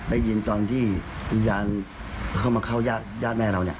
ได้ยินตอนที่วิญญาณเข้ามาเข้าย่าแม่เรา